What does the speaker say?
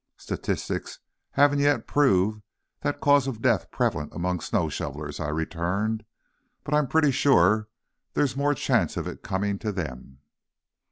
"Statistics haven't yet proved that cause of death prevalent among snow shovelers," I returned, "but I'm pretty sure there's more chance for it coming to them!"